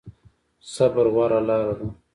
صبر غوره لاره ده